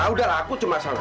udah lah aku cuma asal nanya